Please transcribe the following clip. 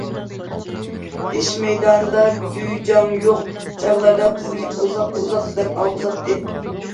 ئىش مەيدانىدا دۈيجاڭ يوق چاغلاردا بىزنى ئۇزاق- ئۇزاق دەم ئالغۇزاتتى.